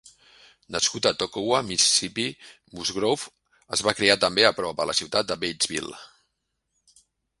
Nascut a Tocowa, Mississipi, Musgrove es va criar també a prop, a la ciutat de Batesville.